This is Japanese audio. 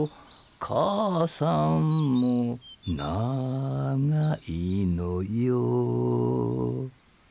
母さんも長いのよ」